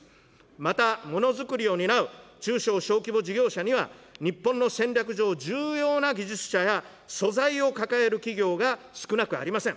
また、ものづくりを担う中小小規模事業者には、日本の戦略上、重要な技術者や素材を抱える企業が少なくありません。